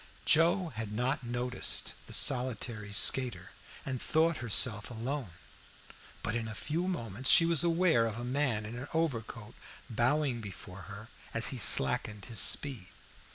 Joe had not noticed the solitary skater, and thought herself alone, but in a few moments she was aware of a man in an overcoat bowing before her as he slackened his speed.